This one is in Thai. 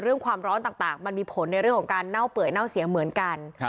ความร้อนต่างมันมีผลในเรื่องของการเน่าเปื่อยเน่าเสียเหมือนกัน